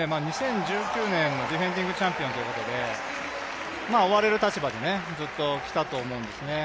２０１９年のディフェンディングチャンピオンということで追われる立場でずっときたと思うんですね。